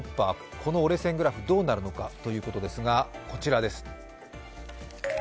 この折れ線グラフ、どうなるのかということなんですがこちらです。